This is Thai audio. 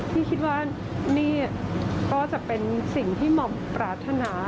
พี่คิดว่านี่ก็จะเป็นสิ่งที่หม่อมปรารถนา